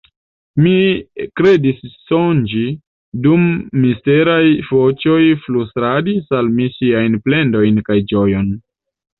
Mi kredis sonĝi, dum misteraj voĉoj flustradis al mi siajn plendojn kaj ĝojon.